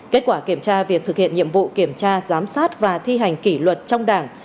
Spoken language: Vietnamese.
kết quả kiểm tra việc thực hiện nhiệm vụ kiểm tra giám sát và thi hành kỷ luật trong đảng